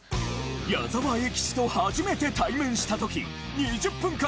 矢沢永吉と初めて対面した時２０分間